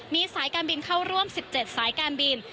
มีสายการบินเข้าร่วม๑๗สายการบิน